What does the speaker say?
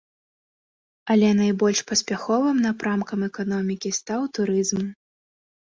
Але найбольш паспяховым напрамкам эканомікі стаў турызм.